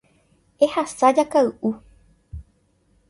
Ehasa jakay'u.